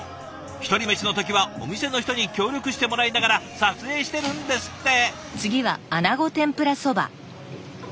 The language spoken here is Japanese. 一人飯の時はお店の人に協力してもらいながら撮影してるんですって！